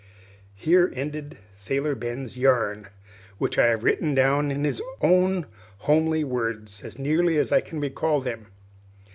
Here ended Sailor Ben's yarn, which I have written down in his own homely words as nearly as I can recall them.